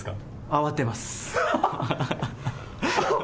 慌てます。